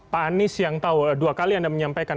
pak anies yang tahu dua kali anda menyampaikan